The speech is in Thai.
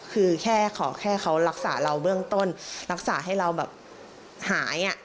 คือแค่ขอแค่เขารักษาเราเบื้องต้นรักษาให้เราแบบหาย